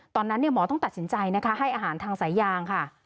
ตอนนั้นหมอต้องตัดสินใจนะคะให้อาหารทางสายยางค่ะ